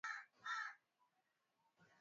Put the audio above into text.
alikua ni askari aliyetafutwa sana na wakoloni